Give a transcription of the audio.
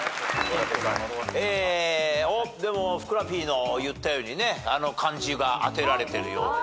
おっふくらＰの言ったようにあの漢字があてられてるようです。